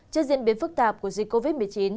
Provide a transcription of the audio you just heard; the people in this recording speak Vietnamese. trước diễn biến phức tạp của dịch covid một mươi chín